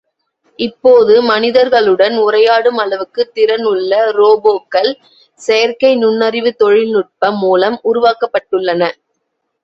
இப்போது மனிதர்களுடன் உரையாடும் அளவுக்கு திறன் உள்ள ரோபோக்கள் செயற்கை நுண்ணறிவுத் தொழில்நுட்பம் மூலம் உருவாக்கப்பட்டுள்ளன.